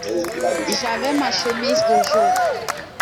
J’avais ma chemise de jour.